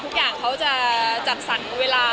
ทุกอย่างเขาจะจัดสรรเวลา